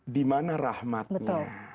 di mana rahmatnya